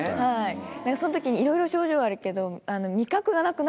その時にいろいろ症状あるけど。